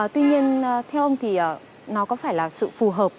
tuy nhiên theo ông thì nó có phải là sự phù hợp